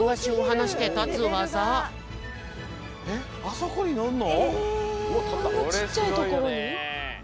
あんなちっちゃいところに？